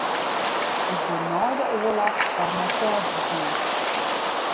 Ik bin nei de oarloch foar mysels begûn.